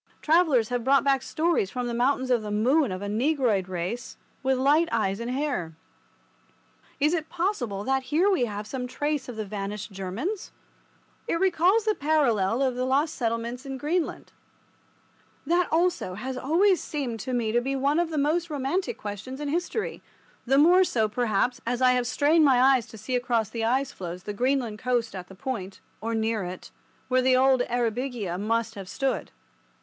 Travellers have brought back stories from the Mountains of the Moon of a Negroid race with light eyes and hair. Is it possible that here we have some trace of the vanished Germans? It recalls the parallel case of the lost settlements in Greenland. That also has always seemed to me to be one of the most romantic questions in history—the more so, perhaps, as I have strained my eyes to see across the ice floes the Greenland coast at the point (or near it) where the old "Eyrbyggia" must have stood.